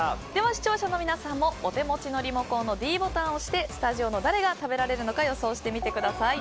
視聴者の皆さんもお手持ちのリモコンのｄボタンを押してスタジオの誰が食べられるのか予想してみてください。